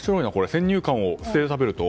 先入観を捨てて食べると。